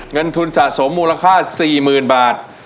เงินทุนสะสมมูลค่า๔๐๐๐บาท